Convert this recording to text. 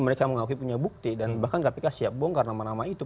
mereka mengakui punya bukti dan bahkan kpk siap bongkar nama nama itu